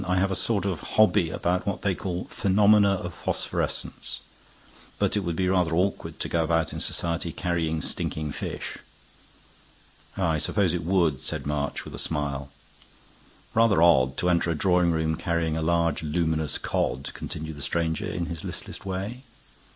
"I have a sort of hobby about what they call 'phenomena of phosphorescence.' But it would be rather awkward to go about in society carrying stinking fish." "I suppose it would," said March, with a smile. "Rather odd to enter a drawing room carrying a large luminous cod," continued the stranger, in his listless way.